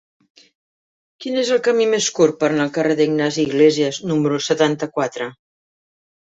Quin és el camí més curt per anar al carrer d'Ignasi Iglésias número setanta-quatre?